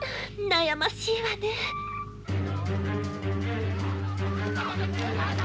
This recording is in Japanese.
悩ましいわねえ。